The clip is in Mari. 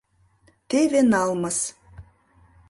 — Теве налмыс...